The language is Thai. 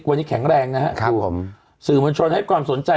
วันนี้แข็งแรงนะครับผมสื่อมวลชนให้ความสนใจ